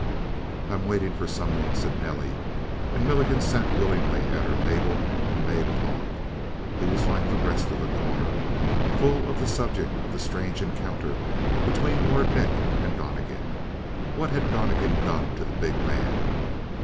"I'm waiting for someone," said Nelly, and Milligan sat willingly at her table and made talk. He was like the rest of The Corner full of the subject of the strange encounter between Lord Nick and Donnegan. What had Donnegan done to the big man?